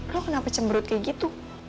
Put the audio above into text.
lo kenapa cembrut kayak gitu